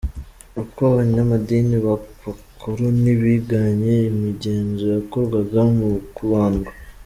Uko Abanyamadini b’Abakoloni bigannye imigenzo yakorwaga mu Kubandwa.